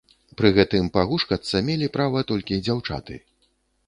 Пры гэтым пагушкацца мелі права толькі дзяўчаты.